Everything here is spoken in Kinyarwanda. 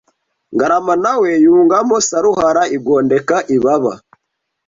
Ngarama na we yungamo Saruhara igondeka ibaba